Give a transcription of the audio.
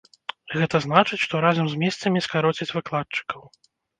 Гэта значыць, што разам з месцамі скароцяць выкладчыкаў.